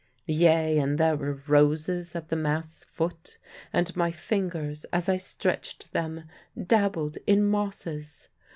Yea, and there were roses at the mast's foot, and my fingers, as I stretched them, dabbled in mosses.